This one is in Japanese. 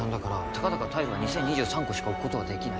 たかだかタイルは２０２３個しか置くことはできない